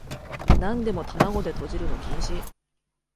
なんでも玉子でとじるの禁止